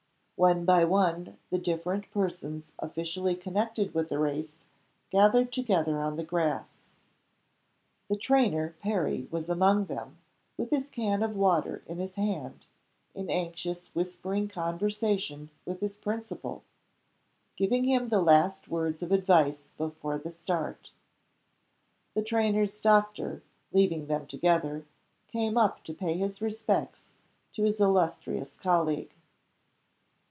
One by one, the different persons officially connected with the race gathered together on the grass. The trainer Perry was among them, with his can of water in his hand, in anxious whispering conversation with his principal giving him the last words of advice before the start. The trainer's doctor, leaving them together, came up to pay his respects to his illustrious colleague.